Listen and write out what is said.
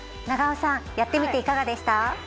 永尾さんやってみていかがでした？